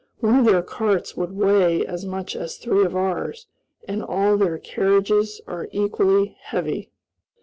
One of their carts would weigh as much as three of ours, and all their carriages are equally heavy.